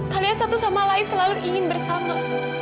kalian satu sama lain selalu ingin bersama